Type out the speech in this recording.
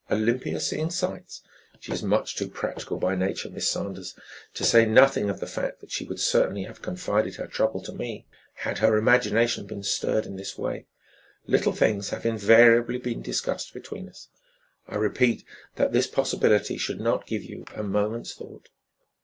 Olympia seeing sights? She's much too practical by nature, Miss Saunders, to say nothing of the fact that she would certainly have confided her trouble to me, had her imagination been stirred in this way. Little things have invariably been discussed between us. I repeat that this possibility should not give you a moment's thought."